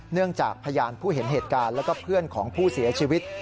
จากพยานผู้เห็นเหตุการณ์แล้วก็เพื่อนของผู้เสียชีวิต